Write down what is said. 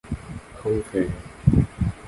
Không Về